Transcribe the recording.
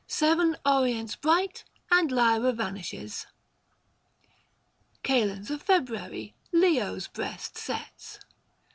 Seven Orients bright, And Lyra vanishes. IX. KAL. FEB. LEO'S BREAST SETS.